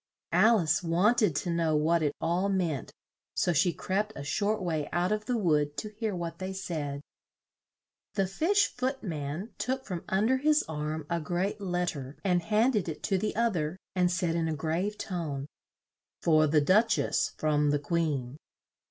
Al ice want ed to know what it all meant, so she crept a short way out of the wood to hear what they said. The Fish Foot man took from un der his arm a great let ter and hand ed it to the oth er and said in a grave tone "For the Duch ess; from the Queen."